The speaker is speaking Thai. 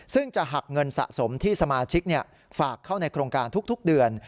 ซึ่งจะหักเงินสะสมที่สมาชิกฝากเข้าในโครงการทุกเดือน